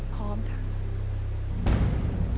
พร้อมค่ะ